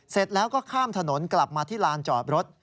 เสร็จแล้วก็ข้ามถนนกลับมาที่ลานจอดรถ